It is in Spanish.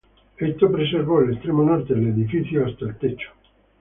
Esto preservó el extremo norte del edificio hasta el nivel del techo.